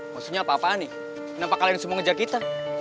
maksudnya apa apaan nih kenapa kalian semua ngejar kita